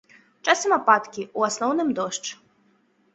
Часам ападкі, у асноўным дождж.